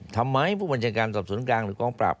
ทำไมผู้บัญชาการสอบสวนกลางหรือกองปราบ